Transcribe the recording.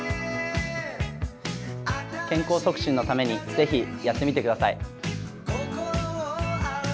健康促進のためにぜひやってみてください。